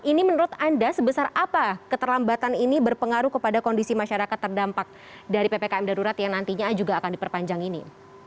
ini menurut anda sebesar apa keterlambatan ini berpengaruh kepada kondisi masyarakat terdampak dari ppkm darurat yang nantinya juga akan diperpanjang ini